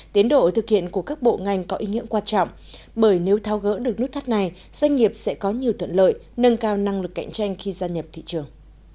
tiến độ thực hiện của các bộ ngành có ý nghĩa quan trọng bởi nếu thao gỡ được nút thắt này doanh nghiệp sẽ có nhiều thuận lợi nâng cao năng lực cạnh tranh khi gia nhập thị trường